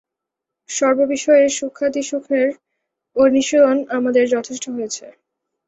সর্ববিষয়ে সূক্ষ্মাতিসূক্ষ্মের অনুশীলন আমাদের যথেষ্ট হয়েছে।